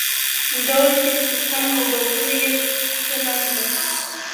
ـ ډول چې دې تر څنګ دى د وهلو يې څه ننګ دى.